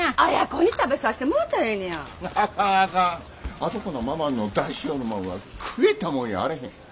あそこのママの出しよるもんは食えたもんやあれへん。